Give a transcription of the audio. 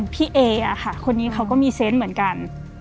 พี่เอค่ะคนนี้เขาก็มีเซนต์เหมือนกัน